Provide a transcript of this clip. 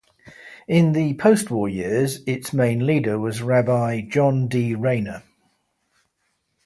In the postwar years, its main leader was Rabbi John D. Rayner.